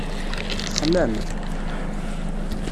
Texlam.